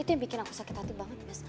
itu yang bikin aku sakit hati banget